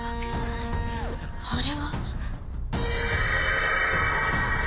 あれは。